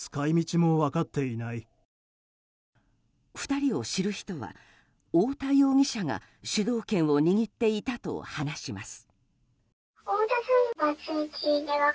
２人を知る人は太田容疑者が主導権を握っていたと話します。